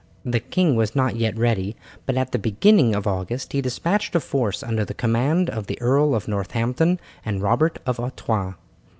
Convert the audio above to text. The king was not yet ready, but at the beginning of August he despatched a force under the command of the Earl of Northampton and Robert of Artois.